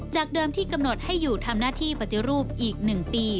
เดิมที่กำหนดให้อยู่ทำหน้าที่ปฏิรูปอีก๑ปี